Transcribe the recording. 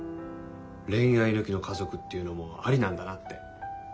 恋愛抜きの家族っていうのもありなんだなって。